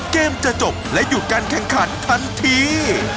เกมจะจบและหยุดการแข่งขันทันที